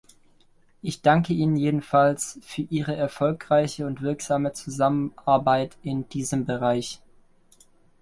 Ich danke Ihnen jedenfalls für Ihre erfolgreiche und wirksame Zusammenarbeit in diesem Bereich.